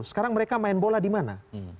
sekarang mereka main bola di mana